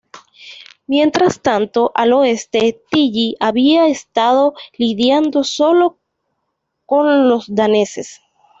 Mientras tanto, al oeste, Tilly había estado lidiando solo con los daneses.